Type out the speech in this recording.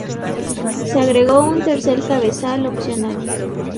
Se agregó un tercer cabezal opcional.